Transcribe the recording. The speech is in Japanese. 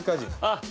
あっ！